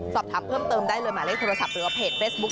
สอบถามเพิ่มเติมได้เลยหมายเลขโทรศัพท์หรือว่าเพจเฟซบุ๊